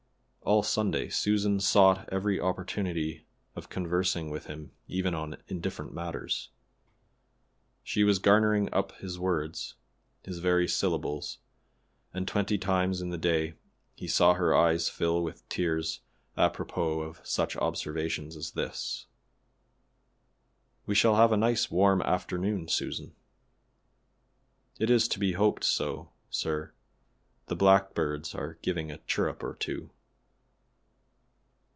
All Sunday Susan sought every opportunity of conversing with him even on indifferent matters. She was garnering up his words, his very syllables, and twenty times in the day he saw her eyes fill with tears apropos of such observations as this: "We shall have a nice warm afternoon, Susan." "It is to be hoped so, sir; the blackbirds are giving a chirrup or two."